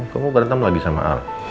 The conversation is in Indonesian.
kamu berantem lagi sama al